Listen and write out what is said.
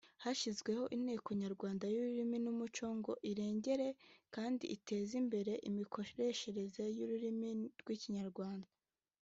Hashyizweho Inteko Nyarwanda y’Ururimi n’Umuco ngo irengere kandi iteze imbere imikoreshereze y’ururimi rw’Ikinyarwanda